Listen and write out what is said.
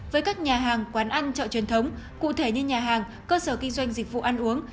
với các nhà hàng quán ăn chợ truyền thống cụ thể như nhà hàng cơ sở kinh doanh dịch vụ ăn uống